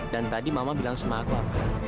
dan tadi mama bilang sama aku apa